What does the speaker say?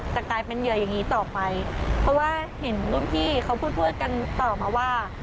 แต่กลายเป็นเหยื่ออย่างนี้ต่อไปเพราะว่าเห็นรุ่นพี่เขาพูดพูดกันต่อมาว่า